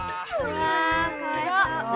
うわかわいそう。